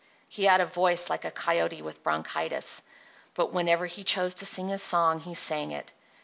He had a voice like a coyote with bronchitis, but whenever he chose to sing his song he sang it.